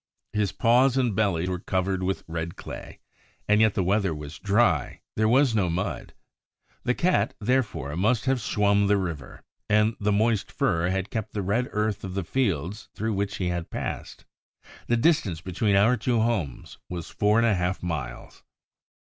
His paws and belly were covered with red clay; and yet the weather was dry, there was no mud. The Cat, therefore, must have swum the river, and the moist fur had kept the red earth of the fields through which he had passed. The distance between our two homes was four and a half miles.